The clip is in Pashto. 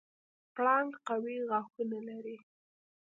پړانګ قوي غاښونه لري.